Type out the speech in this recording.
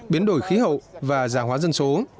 biến đổi khí hậu và giả hóa dân số